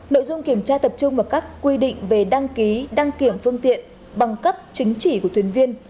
nội dung kiểm tra tập trung vào các quy định về đăng ký đăng kiểm phương tiện bằng cấp chứng chỉ của thuyền viên